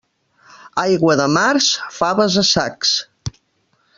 Aigua de març, faves a sacs.